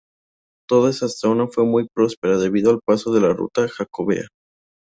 Toda esta zona fue muy próspera, debido al paso de la ruta jacobea.